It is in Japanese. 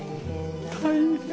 大変。